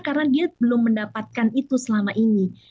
karena dia belum mendapatkan itu selama ini